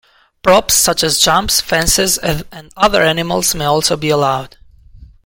Props such as jumps, fences and other animals may also be allowed.